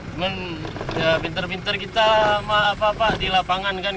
cuman ya pinter pinter kita di lapangan kan